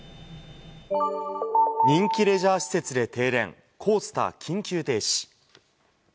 人気レジャー施設で停電、コースター緊急停止。